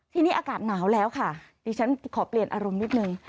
ทีนี้อากาศหนาวแล้วค่ะดิฉันขอเปลี่ยนอารมณ์นิดนึง